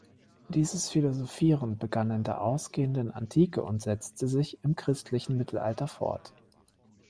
Dieses Philosophieren begann in der ausgehenden Antike und setzte sich im christlichen Mittelalter fort.